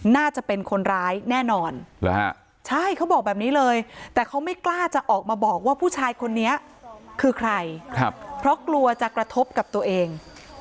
น่าจะเป็นคนร้ายแน่นอนใช่เขาบอกแบบนี้เลยแต่เขาไม่กล้าจะออกมาบอกว่าผู้ชายคนนี้คือใครเพราะกลัวจะกระทบกับตัวเอง